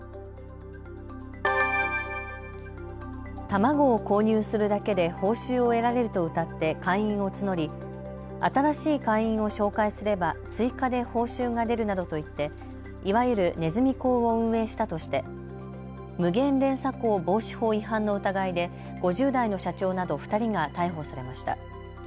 卵を購入するだけで報酬を得られるとうたって会員を募り、新しい会員を紹介すれば追加で報酬が出るなどと言って、いわゆるネズミ講を運営したとして無限連鎖講防止法違反の疑いで５０代の社長など２人が逮捕されました。